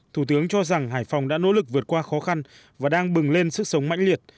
thủ tướng cho rằng hải phòng đã nỗ lực vượt qua khó khăn và đang bừng lên sức sống mãnh liệt